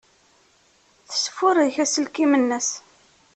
Tesfurek aselkim-nnes.